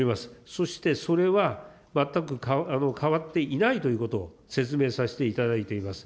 そしてそれは、全く変わっていないということを説明させていただいています。